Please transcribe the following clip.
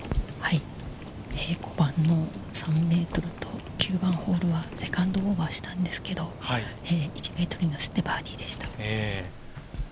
５番の３ｍと９番ホールはセカンドオーバーしたんですけれど、１ｍに寄せて、バーディーでした。